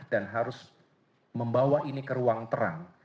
dan harus membawa ini ke ruang terang